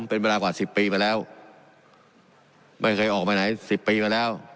เป็นเวลากว่าสิบปีมาแล้วไม่เคยออกไปไหนสิบปีมาแล้ว